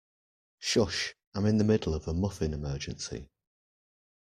Shush! I'm in the middle of a muffin emergency.